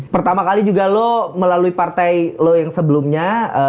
pertama kali juga lo melalui partai lo yang sebelumnya